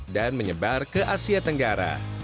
dan menyebar ke asia tenggara